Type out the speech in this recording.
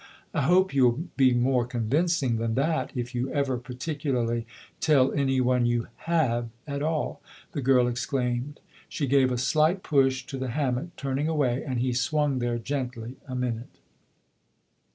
" I hope you'll be more convincing than that if you ever particularly tell any one you have at all !" the girl exclaimed. She gave a slight push to the hammock, turning away, ajnd he swung there gently a minute.